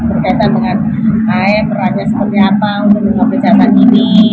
berkaitan dengan beranjak seperti apa untuk mengobrejakan ini